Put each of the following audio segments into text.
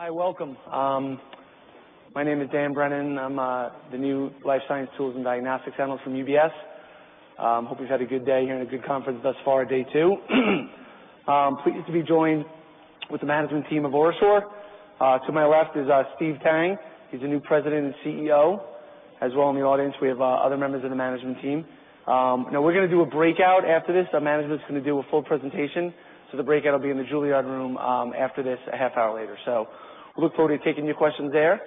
Hi, welcome. My name is Dan Brennan. I'm the new life science tools and diagnostics analyst from UBS. Hope you've had a good day here and a good conference thus far, day two. Pleased to be joined with the management team of OraSure. To my left is Steve Tang. He's the new President and CEO. As well in the audience, we have other members of the management team. We're going to do a breakout after this. Management's going to do a full presentation, so the breakout will be in the Juilliard Room after this, a half hour later. Look forward to taking your questions there.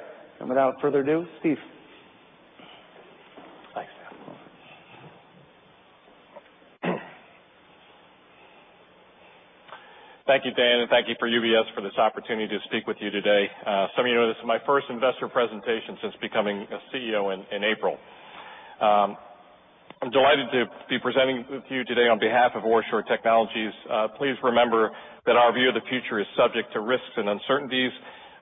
Without further ado, Steve. Thanks, Dan. Thank you, Dan. Thank you for UBS for this opportunity to speak with you today. Some of you know this is my first investor presentation since becoming a CEO in April. I'm delighted to be presenting with you today on behalf of OraSure Technologies. Please remember that our view of the future is subject to risks and uncertainties.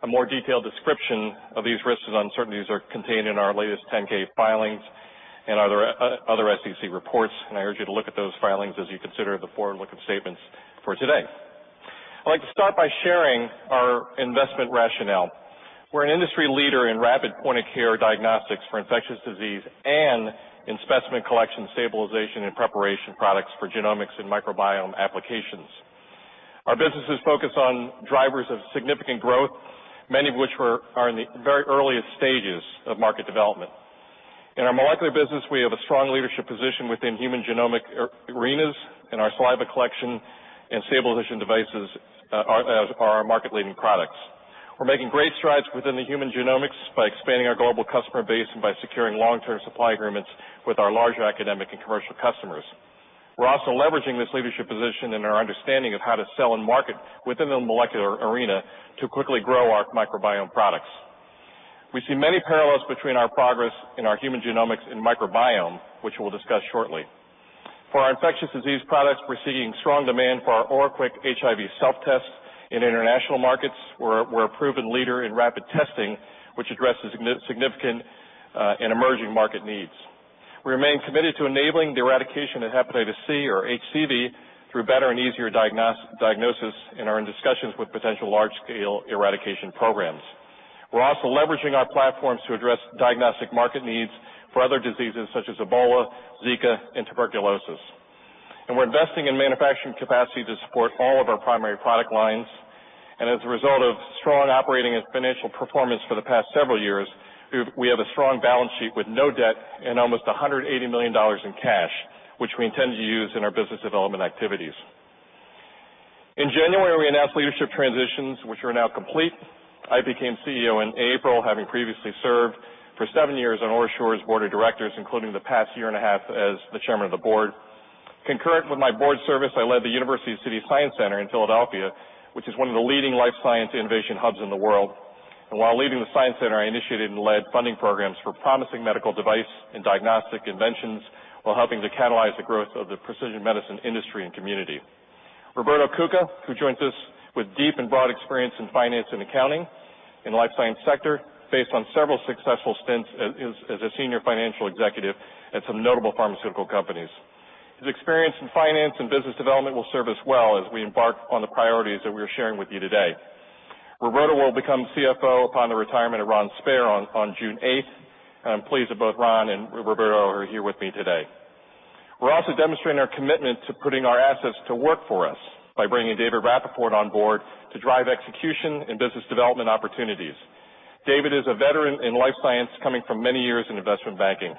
A more detailed description of these risks and uncertainties are contained in our latest 10-K filings and other SEC reports. I urge you to look at those filings as you consider the forward-looking statements for today. I'd like to start by sharing our investment rationale. We're an industry leader in rapid point-of-care diagnostics for infectious disease and in specimen collection, stabilization, and preparation products for genomics and microbiome applications. Our business is focused on drivers of significant growth, many of which are in the very earliest stages of market development. In our molecular business, we have a strong leadership position within human genomic arenas, and our saliva collection and stabilization devices are our market-leading products. We're making great strides within the human genomics by expanding our global customer base and by securing long-term supply agreements with our larger academic and commercial customers. We're also leveraging this leadership position and our understanding of how to sell and market within the molecular arena to quickly grow our microbiome products. We see many parallels between our progress in our human genomics and microbiome, which we'll discuss shortly. For our infectious disease products, we're seeing strong demand for our OraQuick HIV Self-Tests in international markets, where we're a proven leader in rapid testing, which addresses significant and emerging market needs. We remain committed to enabling the eradication of hepatitis C, or HCV, through better and easier diagnosis, and are in discussions with potential large-scale eradication programs. We're also leveraging our platforms to address diagnostic market needs for other diseases such as Ebola, Zika, and tuberculosis, and we're investing in manufacturing capacity to support all of our primary product lines. As a result of strong operating and financial performance for the past several years, we have a strong balance sheet with no debt and almost $180 million in cash, which we intend to use in our business development activities. In January, we announced leadership transitions, which are now complete. I became CEO in April, having previously served for seven years on OraSure's board of directors, including the past year and a half as the Chairman of the Board. Concurrent with my board service, I led the University City Science Center in Philadelphia, which is one of the leading life science innovation hubs in the world. While leading the science center, I initiated and led funding programs for promising medical device and diagnostic inventions while helping to catalyze the growth of the precision medicine industry and community. Roberto Cuca, who joins us with deep and broad experience in finance and accounting in the life science sector, based on several successful stints as a senior financial executive at some notable pharmaceutical companies. His experience in finance and business development will serve us well as we embark on the priorities that we are sharing with you today. Roberto will become CFO upon the retirement of Ron Spair on June eighth, and I'm pleased that both Ron and Roberto are here with me today. We're also demonstrating our commitment to putting our assets to work for us by bringing David Rappaport on board to drive execution and business development opportunities. David is a veteran in life science, coming from many years in investment banking.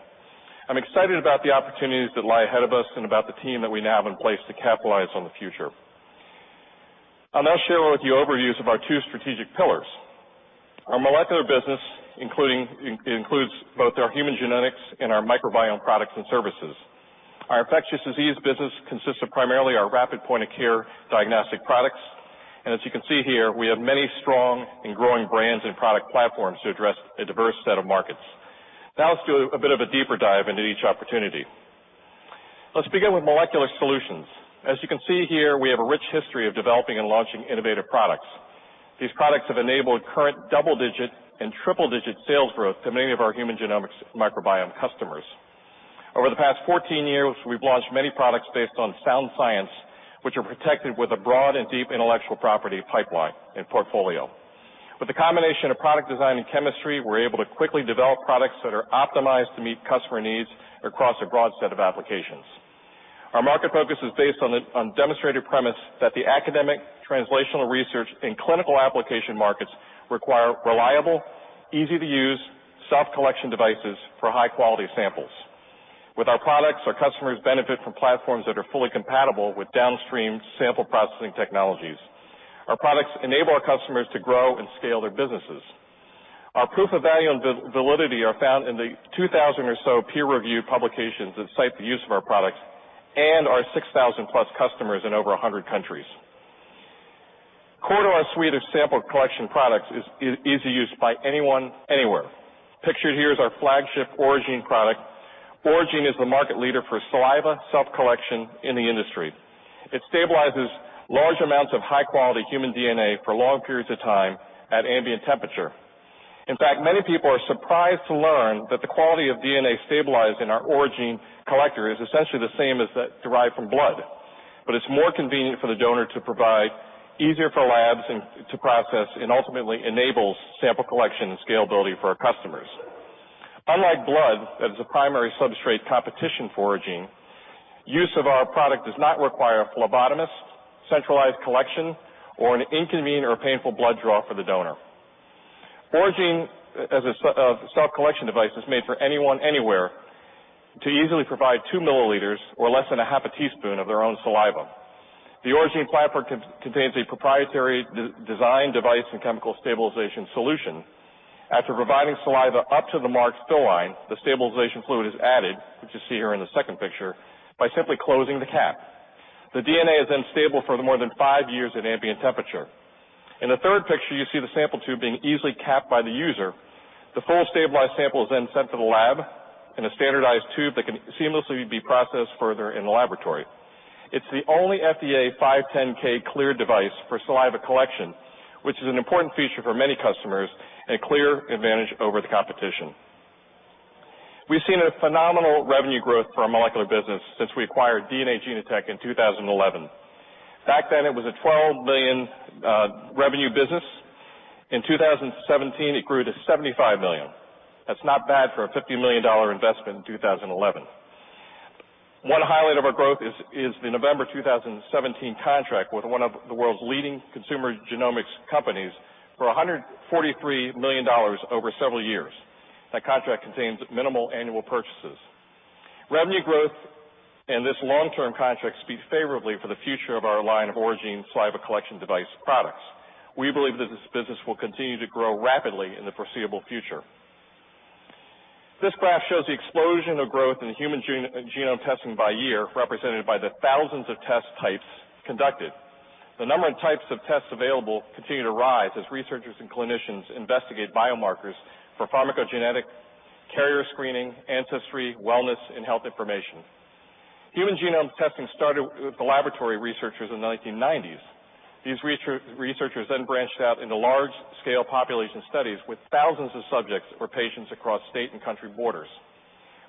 I'm excited about the opportunities that lie ahead of us and about the team that we now have in place to capitalize on the future. I'll now share with you overviews of our two strategic pillars. Our molecular business includes both our human genetics and our microbiome products and services. Our infectious disease business consists of primarily our rapid point-of-care diagnostic products, and as you can see here, we have many strong and growing brands and product platforms to address a diverse set of markets. Let's do a bit of a deeper dive into each opportunity. Let's begin with molecular solutions. As you can see here, we have a rich history of developing and launching innovative products. These products have enabled current double-digit and triple-digit sales growth to many of our human genomics microbiome customers. Over the past 14 years, we've launched many products based on sound science, which are protected with a broad and deep intellectual property pipeline and portfolio. With a combination of product design and chemistry, we're able to quickly develop products that are optimized to meet customer needs across a broad set of applications. Our market focus is based on demonstrated premise that the academic, translational research, and clinical application markets require reliable, easy-to-use, self-collection devices for high-quality samples. With our products, our customers benefit from platforms that are fully compatible with downstream sample processing technologies. Our products enable our customers to grow and scale their businesses. Our proof of value and validity are found in the 2,000 or so peer-reviewed publications that cite the use of our products and our 6,000-plus customers in over 100 countries. Core to our suite of sample collection products is easy use by anyone, anywhere. Pictured here is our flagship Oragene product. Oragene is the market leader for saliva self-collection in the industry. It stabilizes large amounts of high-quality human DNA for long periods of time at ambient temperature. In fact, many people are surprised to learn that the quality of DNA stabilized in our Oragene collector is essentially the same as that derived from blood. It's more convenient for the donor to provide, easier for labs to process, and ultimately enables sample collection and scalability for our customers. Unlike blood, as a primary substrate competition for Oragene, use of our product does not require a phlebotomist, centralized collection, or an inconvenient or painful blood draw for the donor. Oragene as a self-collection device is made for anyone, anywhere, to easily provide two milliliters or less than a half a teaspoon of their own saliva. The Oragene platform contains a proprietary design device and chemical stabilization solution. After providing saliva up to the marked fill line, the stabilization fluid is added, which you see here in the second picture, by simply closing the cap. The DNA is then stable for more than five years at ambient temperature. In the third picture, you see the sample tube being easily capped by the user. The full stabilized sample is then sent to the lab in a standardized tube that can seamlessly be processed further in the laboratory. It's the only FDA 510(k) cleared device for saliva collection, which is an important feature for many customers and a clear advantage over the competition. We've seen a phenomenal revenue growth for our molecular business since we acquired DNA Genotek in 2011. Back then, it was a $12 million revenue business. In 2017, it grew to $75 million. That's not bad for a $50 million investment in 2011. One highlight of our growth is the November 2017 contract with one of the world's leading consumer genomics companies for $143 million over several years. That contract contains minimal annual purchases. Revenue growth and this long-term contract speak favorably for the future of our line of Oragene saliva collection device products. We believe that this business will continue to grow rapidly in the foreseeable future. This graph shows the explosion of growth in the human genome testing by year, represented by the thousands of test types conducted. The number and types of tests available continue to rise as researchers and clinicians investigate biomarkers for pharmacogenetic carrier screening, ancestry, wellness, and health information. Human genome testing started with the laboratory researchers in the 1990s. These researchers then branched out into large-scale population studies with thousands of subjects or patients across state and country borders.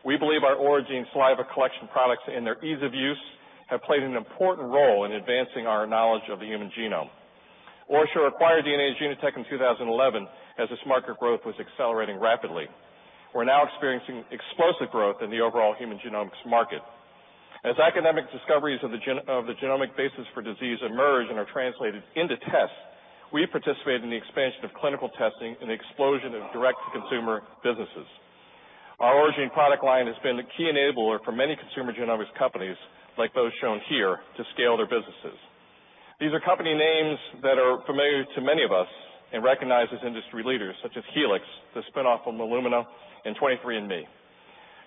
We believe our Oragene saliva collection products and their ease of use have played an important role in advancing our knowledge of the human genome. OraSure acquired DNA Genotek in 2011 as this market growth was accelerating rapidly. We're now experiencing explosive growth in the overall human genomics market. As academic discoveries of the genomic basis for disease emerge and are translated into tests, we participate in the expansion of clinical testing and the explosion of direct-to-consumer businesses. Our Oragene product line has been the key enabler for many consumer genomics companies, like those shown here, to scale their businesses. These are company names that are familiar to many of us and recognized as industry leaders, such as Helix, the spinoff from Illumina, and 23andMe.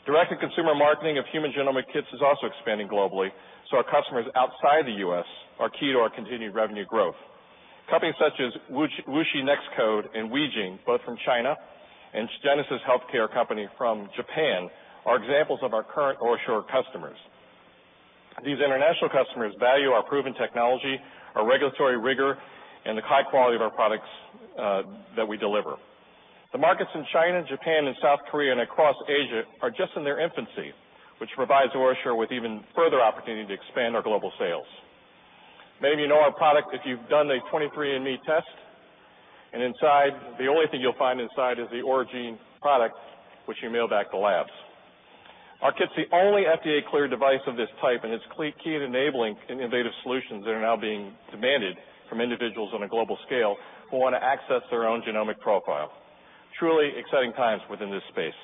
Direct-to-consumer marketing of human genomic kits is also expanding globally, so our customers outside the U.S. are key to our continued revenue growth. Companies such as WuXi NextCODE and WeGene, both from China, and Genesis Healthcare Co. from Japan are examples of our current OraSure customers. These international customers value our proven technology, our regulatory rigor, and the high quality of our products that we deliver. The markets in China, Japan, and South Korea, and across Asia are just in their infancy, which provides OraSure with even further opportunity to expand our global sales. Many of you know our product if you've done a 23andMe test, and inside, the only thing you'll find inside is the Oragene product, which you mail back to labs. Our kit's the only FDA-cleared device of this type, and it's key to enabling innovative solutions that are now being demanded from individuals on a global scale who want to access their own genomic profile. Truly exciting times within this space.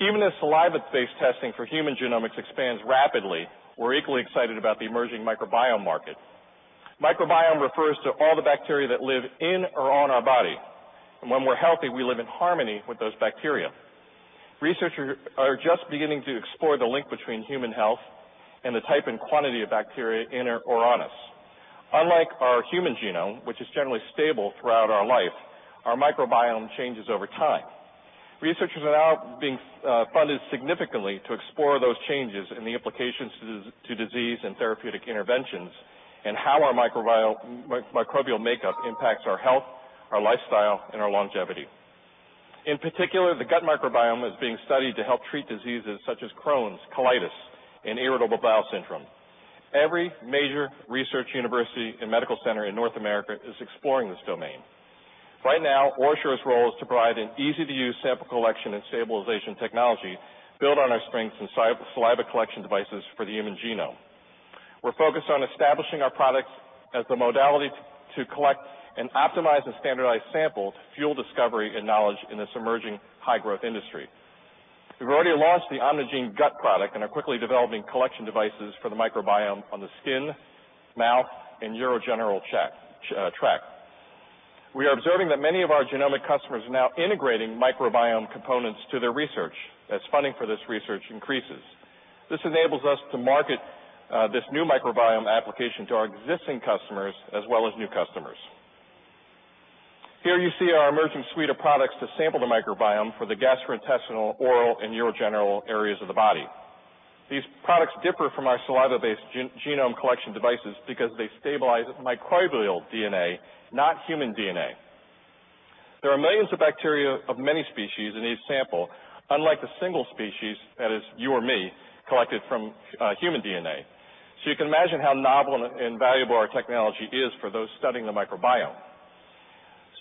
Even as saliva-based testing for human genomics expands rapidly, we're equally excited about the emerging microbiome market. Microbiome refers to all the bacteria that live in or on our body, and when we're healthy, we live in harmony with those bacteria. Researchers are just beginning to explore the link between human health and the type and quantity of bacteria in or on us. Unlike our human genome, which is generally stable throughout our life, our microbiome changes over time. Researchers are now being funded significantly to explore those changes and the implications to disease and therapeutic interventions, and how our microbial makeup impacts our health, our lifestyle, and our longevity. In particular, the gut microbiome is being studied to help treat diseases such as Crohn's, colitis, and irritable bowel syndrome. Every major research university and medical center in North America is exploring this domain. Right now, OraSure's role is to provide an easy-to-use sample collection and stabilization technology built on our strengths in saliva collection devices for the human genome. We're focused on establishing our products as the modality to collect and optimize the standardized sample to fuel discovery and knowledge in this emerging high-growth industry. We've already launched the OMNIgene-GUT product and are quickly developing collection devices for the microbiome on the skin, mouth, and urogenital tract. We are observing that many of our genomic customers are now integrating microbiome components to their research as funding for this research increases. This enables us to market this new microbiome application to our existing customers as well as new customers. Here you see our emerging suite of products to sample the microbiome for the gastrointestinal, oral, and urogenital areas of the body. These products differ from our saliva-based genome collection devices because they stabilize microbial DNA, not human DNA. There are millions of bacteria of many species in each sample, unlike the single species that is you or me, collected from human DNA. You can imagine how novel and valuable our technology is for those studying the microbiome.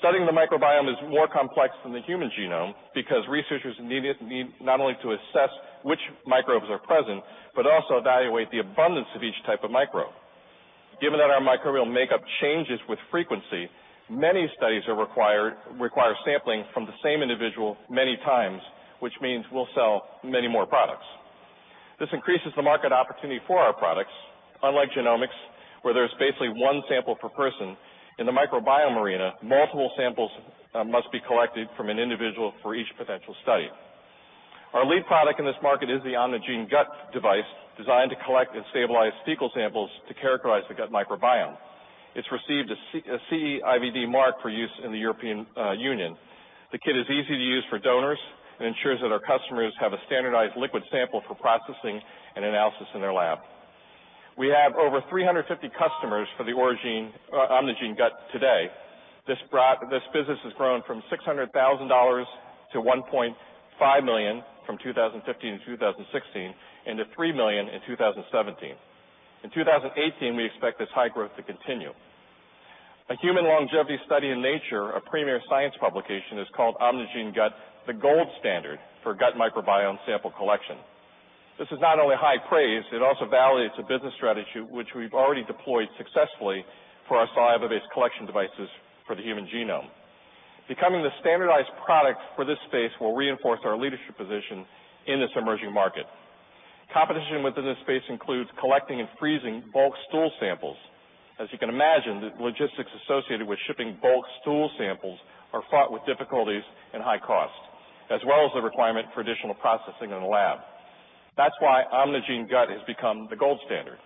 Studying the microbiome is more complex than the human genome because researchers need not only to assess which microbes are present, but also evaluate the abundance of each type of microbe. Given that our microbial makeup changes with frequency, many studies require sampling from the same individual many times, which means we'll sell many more products. This increases the market opportunity for our products. Unlike genomics, where there's basically one sample per person, in the microbiome arena, multiple samples must be collected from an individual for each potential study. Our lead product in this market is the OMNIgene•GUT device, designed to collect and stabilize fecal samples to characterize the gut microbiome. It's received a CE-IVD mark for use in the European Union. The kit is easy to use for donors and ensures that our customers have a standardized liquid sample for processing and analysis in their lab. We have over 350 customers for the OMNIgene•GUT today. This business has grown from $600,000 to $1.5 million from 2015 to 2016, and to $3 million in 2017. In 2018, we expect this high growth to continue. A human longevity study in "Nature," a premier science publication, has called OMNIgene•GUT, the gold standard for gut microbiome sample collection. This is not only high praise, it also validates a business strategy which we've already deployed successfully for our saliva-based collection devices for the human genome. Becoming the standardized product for this space will reinforce our leadership position in this emerging market. Competition within this space includes collecting and freezing bulk stool samples. You can imagine, the logistics associated with shipping bulk stool samples are fraught with difficulties and high cost, as well as the requirement for additional processing in a lab. That's why OMNIgene•GUT has become the gold standard.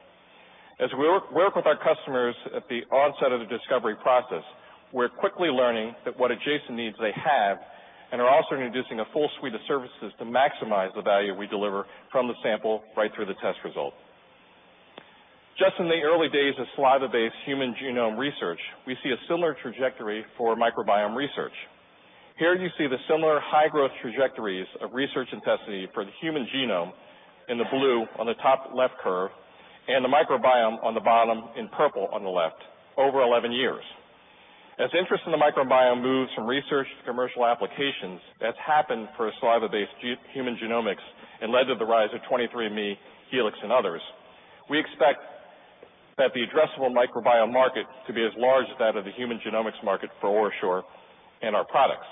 As we work with our customers at the onset of the discovery process, we're quickly learning that what adjacent needs they have and are also introducing a full suite of services to maximize the value we deliver from the sample right through the test result. Just in the early days of saliva-based human genome research, we see a similar trajectory for microbiome research. Here you see the similar high growth trajectories of research intensity for the human genome in the blue on the top left curve, and the microbiome on the bottom in purple on the left over 11 years. Interest in the microbiome moves from research to commercial applications, that's happened for saliva-based human genomics and led to the rise of 23andMe, Helix, and others. We expect that the addressable microbiome market to be as large as that of the human genomics market for OraSure and our products.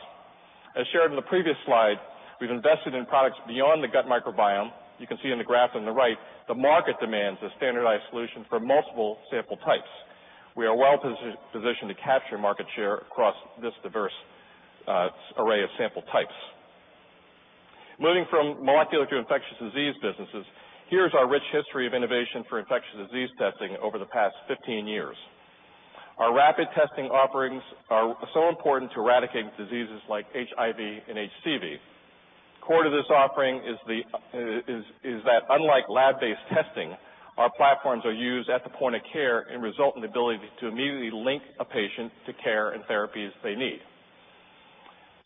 Shared in the previous slide, we've invested in products beyond the gut microbiome. You can see in the graph on the right, the market demands a standardized solution for multiple sample types. We are well-positioned to capture market share across this diverse array of sample types. Moving from molecular to infectious disease businesses, here's our rich history of innovation for infectious disease testing over the past 15 years. Our rapid testing offerings are so important to eradicating diseases like HIV and HCV. Core to this offering is that unlike lab-based testing, our platforms are used at the point of care and result in the ability to immediately link a patient to care and therapies they need.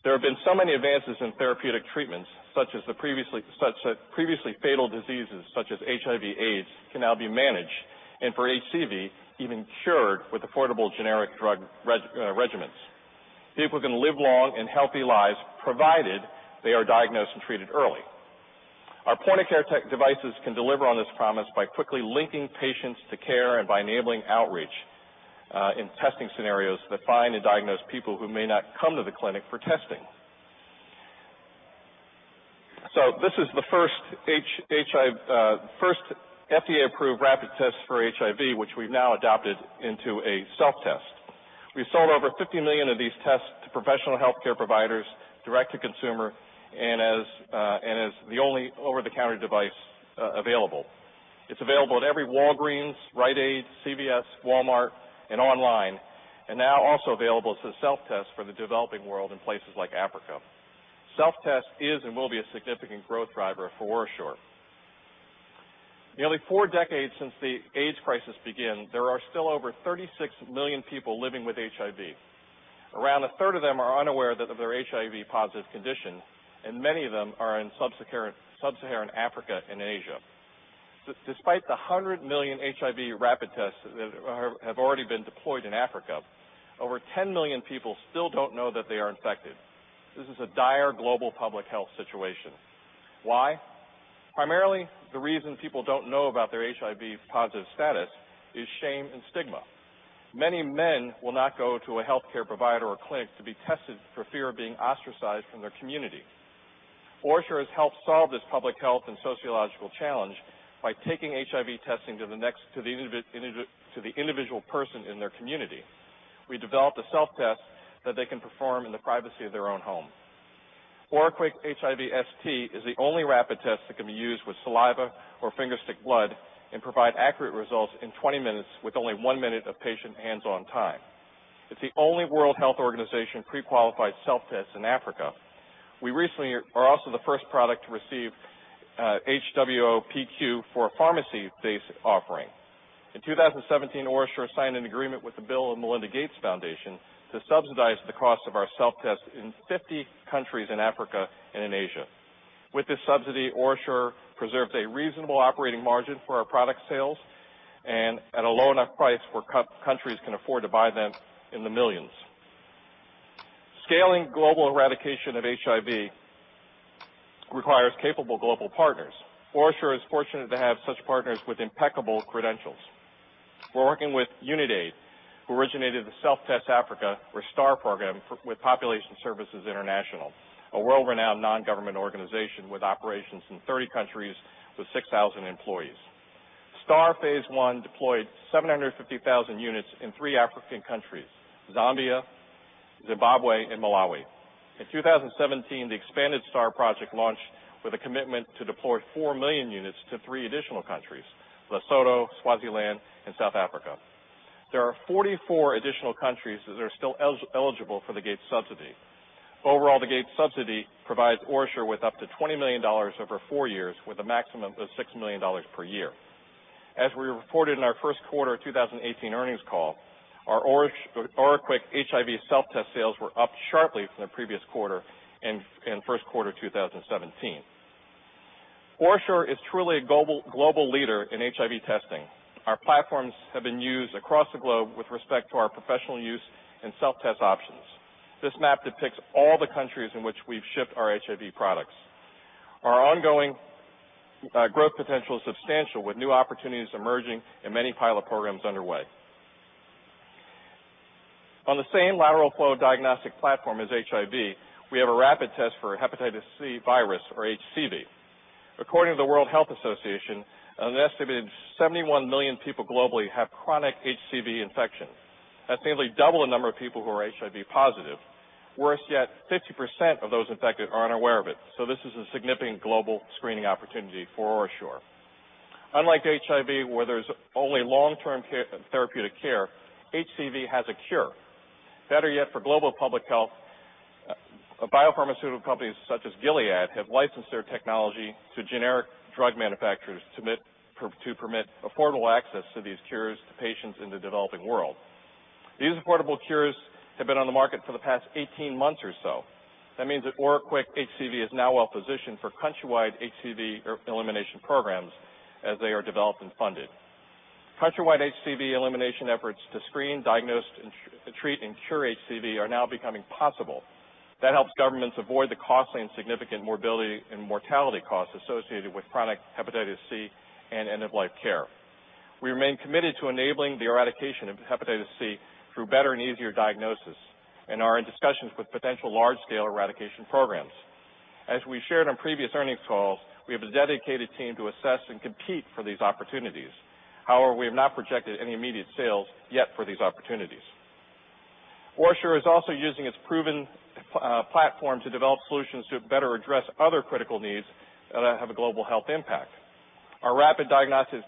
There have been so many advances in therapeutic treatments, such that previously fatal diseases such as HIV AIDS can now be managed, and for HCV, even cured with affordable generic drug regimens. People can live long and healthy lives provided they are diagnosed and treated early. Our point-of-care tech devices can deliver on this promise by quickly linking patients to care and by enabling outreach in testing scenarios that find and diagnose people who may not come to the clinic for testing. This is the first FDA-approved rapid test for HIV, which we've now adapted into a self-test. We've sold over 50 million of these tests to professional healthcare providers, direct-to-consumer, and as the only over-the-counter device available. It's available at every Walgreens, Rite Aid, CVS, Walmart, and online, and now also available as a self-test for the developing world in places like Africa. Self-test is and will be a significant growth driver for OraSure. Nearly 4 decades since the AIDS crisis began, there are still over 36 million people living with HIV. Around a third of them are unaware of their HIV positive condition, and many of them are in sub-Saharan Africa and Asia. Despite the 100 million HIV rapid tests that have already been deployed in Africa, over 10 million people still don't know that they are infected. This is a dire global public health situation. Why? Primarily, the reason people don't know about their HIV positive status is shame and stigma. Many men will not go to a healthcare provider or clinic to be tested for fear of being ostracized from their community. OraSure has helped solve this public health and sociological challenge by taking HIV testing to the individual person in their community. We developed a self-test that they can perform in the privacy of their own home. OraQuick HIV ST is the only rapid test that can be used with saliva or finger stick blood and provide accurate results in 20 minutes with only one minute of patient hands-on time. It's the only World Health Organization pre-qualified self-test in Africa. We recently are also the first product to receive WHO PQ for a pharmacy-based offering. In 2017, OraSure signed an agreement with the Bill & Melinda Gates Foundation to subsidize the cost of our self-test in 50 countries in Africa and in Asia. With this subsidy, OraSure preserves a reasonable operating margin for our product sales and at a low enough price where countries can afford to buy them in the millions. Scaling global eradication of HIV requires capable global partners. OraSure is fortunate to have such partners with impeccable credentials. We're working with Unitaid, who originated the Self Test Africa, or STAR program, with Population Services International, a world-renowned non-government organization with operations in 30 countries with 6,000 employees. STAR phase one deployed 750,000 units in three African countries, Zambia, Zimbabwe, and Malawi. In 2017, the expanded STAR project launched with a commitment to deploy 4 million units to three additional countries, Lesotho, Swaziland, and South Africa. There are 44 additional countries that are still eligible for the Gates subsidy. Overall, the Gates subsidy provides OraSure with up to $20 million over 4 years, with a maximum of $6 million per year. As we reported in our first quarter 2018 earnings call, our OraQuick HIV self-test sales were up sharply from the previous quarter and first quarter 2017. OraSure is truly a global leader in HIV testing. Our platforms have been used across the globe with respect to our professional use and self-test options. This map depicts all the countries in which we've shipped our HIV products. Our ongoing growth potential is substantial, with new opportunities emerging and many pilot programs underway. On the same lateral flow diagnostic platform as HIV, we have a rapid test for hepatitis C virus, or HCV. According to the World Health Organization, an estimated 71 million people globally have chronic HCV infection. That's nearly double the number of people who are HIV positive. Worse yet, 50% of those infected are unaware of it, so this is a significant global screening opportunity for OraSure. Unlike HIV, where there's only long-term therapeutic care, HCV has a cure. Better yet for global public health, biopharmaceutical companies such as Gilead have licensed their technology to generic drug manufacturers to permit affordable access to these cures to patients in the developing world. These affordable cures have been on the market for the past 18 months or so. That means that OraQuick HCV is now well-positioned for countrywide HCV elimination programs as they are developed and funded. Countrywide HCV elimination efforts to screen, diagnose, and treat and cure HCV are now becoming possible. That helps governments avoid the costly and significant morbidity and mortality costs associated with chronic hepatitis C and end-of-life care. We remain committed to enabling the eradication of hepatitis C through better and easier diagnosis and are in discussions with potential large-scale eradication programs. As we shared on previous earnings calls, we have a dedicated team to assess and compete for these opportunities. However, we have not projected any immediate sales yet for these opportunities. OraSure is also using its proven platform to develop solutions to better address other critical needs that have a global health impact. Our rapid diagnostic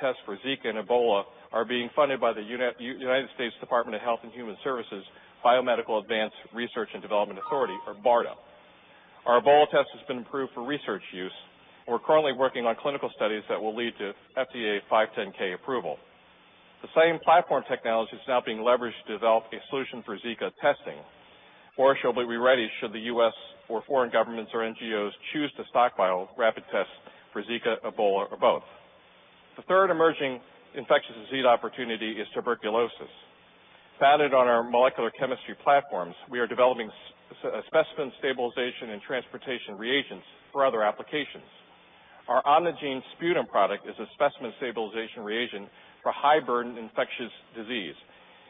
test for Zika and Ebola are being funded by the United States Department of Health and Human Services' Biomedical Advanced Research and Development Authority, or BARDA. Our Ebola test has been approved for research use. We're currently working on clinical studies that will lead to FDA 510(k) approval. The same platform technology is now being leveraged to develop a solution for Zika testing. OraSure will be ready should the U.S. or foreign governments or NGOs choose to stockpile rapid tests for Zika, Ebola, or both. The third emerging infectious disease opportunity is tuberculosis. Founded on our molecular chemistry platforms, we are developing specimen stabilization and transportation reagents for other applications. Our OMNIgene•SPUTUM product is a specimen stabilization reagent for high-burden infectious disease.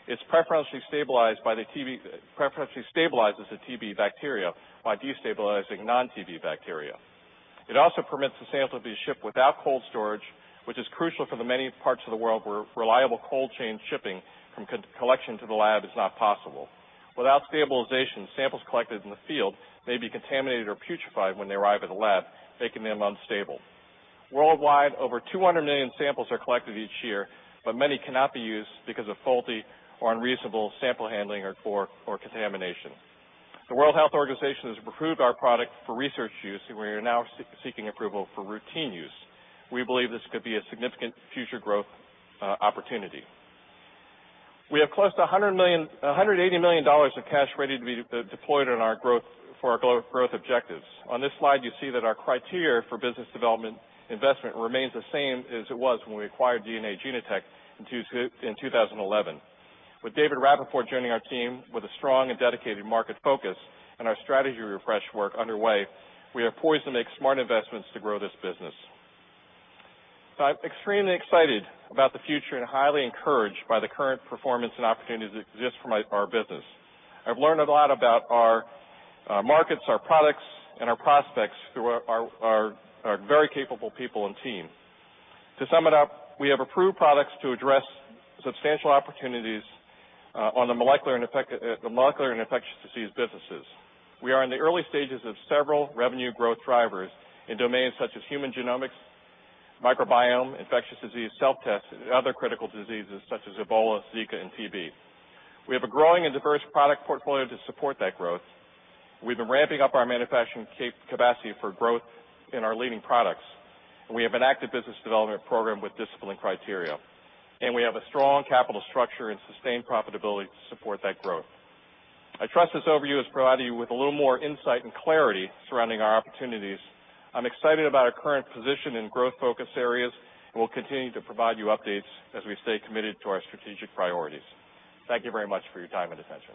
It preferentially stabilizes the TB bacteria by destabilizing non-TB bacteria. It also permits the sample to be shipped without cold storage, which is crucial for the many parts of the world where reliable cold chain shipping from collection to the lab is not possible. Without stabilization, samples collected in the field may be contaminated or putrefied when they arrive at a lab, making them unstable. Worldwide, over 200 million samples are collected each year, but many cannot be used because of faulty or unreasonable sample handling, or contamination. The World Health Organization has approved our product for research use, and we are now seeking approval for routine use. We believe this could be a significant future growth opportunity. We have close to $180 million of cash ready to be deployed for our growth objectives. On this slide, you see that our criteria for business development investment remains the same as it was when we acquired DNA Genotek in 2011. With David Rappaport joining our team with a strong and dedicated market focus and our strategy refresh work underway, we are poised to make smart investments to grow this business. I'm extremely excited about the future and highly encouraged by the current performance and opportunities that exist for our business. I've learned a lot about our markets, our products, and our prospects through our very capable people and team. To sum it up, we have approved products to address substantial opportunities on the molecular and infectious disease businesses. We are in the early stages of several revenue growth drivers in domains such as human genomics, microbiome, infectious disease, self-tests, and other critical diseases such as Ebola, Zika, and TB. We have a growing and diverse product portfolio to support that growth. We've been ramping up our manufacturing capacity for growth in our leading products, and we have an active business development program with disciplined criteria. We have a strong capital structure and sustained profitability to support that growth. I trust this overview has provided you with a little more insight and clarity surrounding our opportunities. I'm excited about our current position and growth focus areas, and we'll continue to provide you updates as we stay committed to our strategic priorities. Thank you very much for your time and attention.